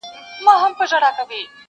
نه دعوه نه بهانه سي څوك منلاى،